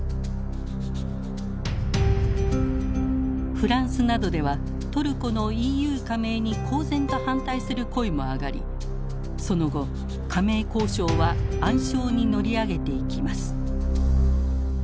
フランスなどではトルコのＥＵ加盟に公然と反対する声も上がりその後加盟交渉は暗礁に乗り上げていきます。